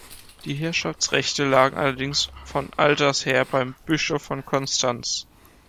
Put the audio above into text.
Die Herrschaftsrechte lagen allerdings von alters her beim Bischof von Konstanz.